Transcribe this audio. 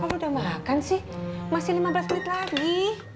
kalau udah makan sih masih lima belas menit lagi